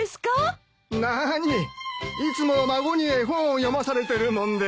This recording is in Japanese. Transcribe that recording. なあにいつも孫に絵本を読まされてるもんで。